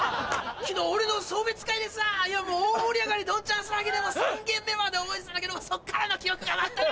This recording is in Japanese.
昨日俺の送別会でさ大盛り上がりドンチャン騒ぎで３軒目まで覚えてたんだけどそっからの記憶が。